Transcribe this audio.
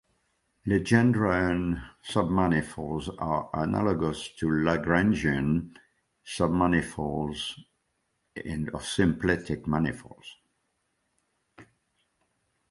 Legendrian submanifolds are analogous to Lagrangian submanifolds of symplectic manifolds.